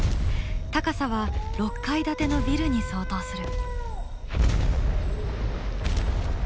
高さは６階建てのビルに相当する。